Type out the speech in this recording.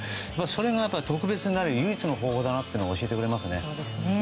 それが特別になる唯一の方法だなと教えてくれますね。